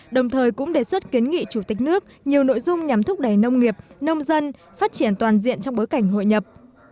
đồng thời cũng đề xuất kiến nghị chủ tịch nước nhiều nội dung nhằm thúc đẩy nông nghiệp nông dân phát triển toàn diện trong bối cảnh hội nhập